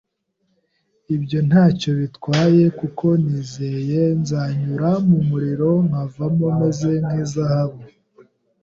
Ibyo nta cyo bitwaye kuko nizeye nzanyura mu muriro nkavamo meze nk’izahabu